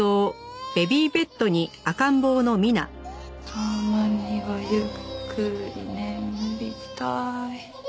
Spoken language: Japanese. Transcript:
「たまにはゆっくり眠りたい」